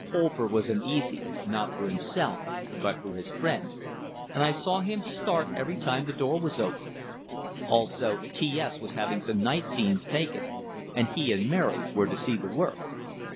Colver was uneasy, not for himself, but for his friend, and I saw him start every time the door was opened. Also, T S was having some night scenes taken, and he and Mary were to see the work.